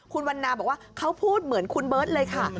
คุณวันนาบอกว่าเขาพูดเหมือนคุณเบิร์ตเลยค่ะ